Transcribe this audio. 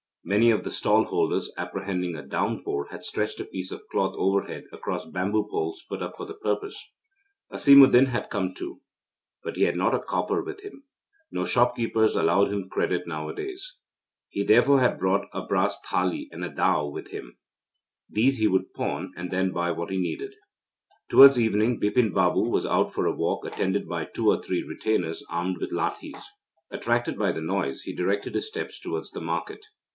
Many of the stall holders, apprehending a downpour, had stretched a piece of cloth overhead, across bamboo poles put up for the purpose. Asimuddin had come too but he had not a copper with him. No shopkeepers allowed him credit nowadays. He therefore had brought a brass thali and a dao with him. These he would pawn, and then buy what he needed. Thali: plate. Dao: knife. Towards evening, Bipin Babu was out for a walk attended by two or three retainers armed with lathis. Attracted by the noise, he directed his steps towards the market.